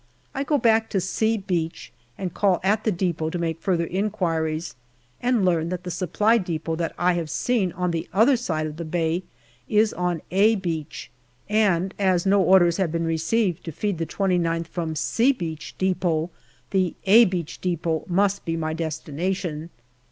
I go back to " C ' Beach and call at the depot to make further inquiries, and learn that the Supply depot that I have seen on the other side of the bay is on " A " Beach, and, as no orders have been received to feed the 2Qth from " C " Beach depot, the " A " Beach depot must be my destination.